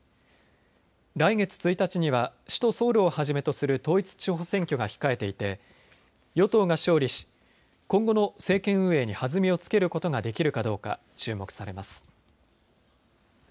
来月１日には首都ソウルをはじめとする統一地方選挙が控えていて与党が勝利し今後の政権運営に弾みをつけることができるかどうか注目されます。